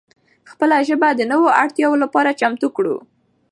خپله ژبه د نوو اړتیاو لپاره چمتو کړو.